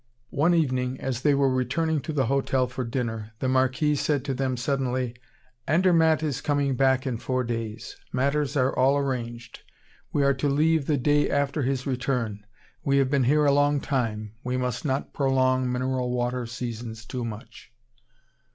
One evening, as they were returning to the hotel for dinner, the Marquis said to them, suddenly: "Andermatt is coming back in four days. Matters are all arranged. We are to leave the day after his return. We have been here a long time. We must not prolong mineral water seasons too much."